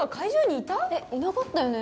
いなかったよね？